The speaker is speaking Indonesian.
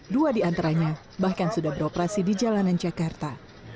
dua di antaranya bahkan sudah beroperasi di jalanan jakarta